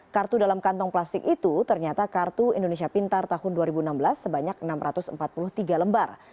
kartu dalam kantong plastik itu ternyata kartu indonesia pintar tahun dua ribu enam belas sebanyak enam ratus empat puluh tiga lembar